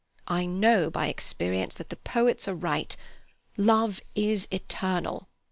I know by experience that the poets are right: love is eternal."